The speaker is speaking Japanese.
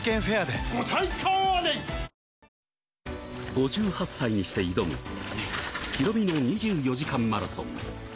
５８歳にして挑むヒロミの２４時間マラソン。